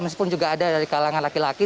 meskipun juga ada dari kalangan laki laki